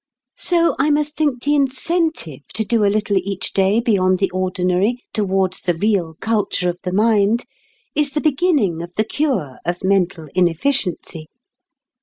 So I must think the incentive to do a little each day beyond the ordinary towards the real culture of the mind, is the beginning of the cure of mental inefficiency."